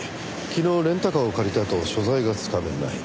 昨日レンタカーを借りたあと所在がつかめない。